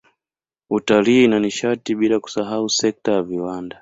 Utalii na Nishati bila kusahau sekta ya viwanda